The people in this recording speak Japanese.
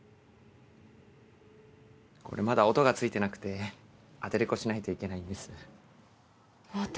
これまだ音がついてなくてアテレコしないといけないんです。